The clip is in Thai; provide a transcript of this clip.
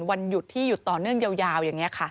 วันหยุดที่หยุดต่อเนื่องยาวอย่างนี้ค่ะ